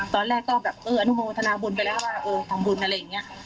ตอนแรกก็แบบเอออนุโมทนาบุญไปแล้วว่าเออทำบุญอะไรอย่างนี้